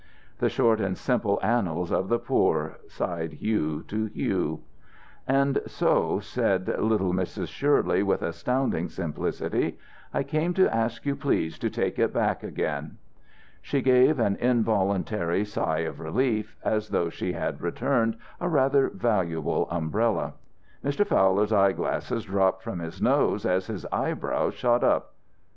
"The short and simple annals of the poor," sighed Hugh to Hugh. "And so," said little Mrs. Shirley, with astounding simplicity, "I came to ask you please to take it back again." She gave an involuntary sigh of relief, as though she had returned a rather valuable umbrella. Mr. Fowl's eyeglasses dropped from his nose as his eyebrows shot up.